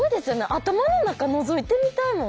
頭の中のぞいてみたいもん。